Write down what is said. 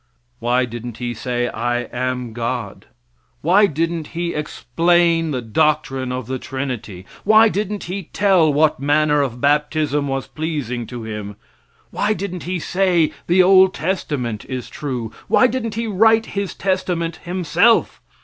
Why didn't He say, "I am God?" Why didn't He explain the doctrine of the Trinity? Why didn't He tell what manner of baptism was pleasing to Him? Why didn't He say the old testament is true? Why didn't He write His testament himself?